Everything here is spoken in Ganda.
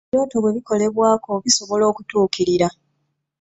Ebirooto bwe bikolebwako bisobola okutuukirira .